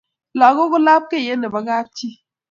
langok ko lapkeiyet nebo kap chii